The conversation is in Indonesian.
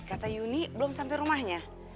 kata yuni belum sampai rumahnya